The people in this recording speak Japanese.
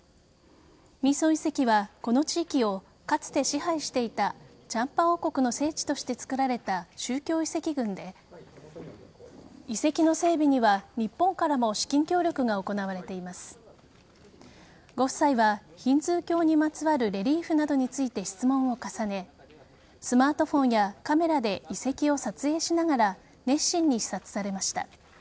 ミーソン遺跡はこの地域をかつて支配していたチャンパ王国の聖地としてつくられた宗教遺跡群で遺跡の整備には、日本からも資金協力が行われていますご夫妻は、ヒンズー教にまつわるレリーフなどについて質問を重ねスマートフォンやカメラで遺跡を撮影しながら熱心に視察されました。